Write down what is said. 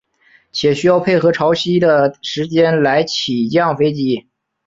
且需要配合潮汐的时间来起降飞机。